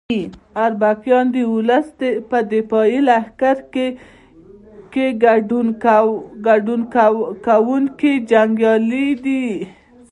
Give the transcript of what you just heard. اربکیان د ولس په دفاعي لښکر کې ګډون کوونکي جنګیالي دي.